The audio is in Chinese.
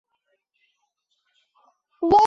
因此其真实元件中会有一些电感造成的特性。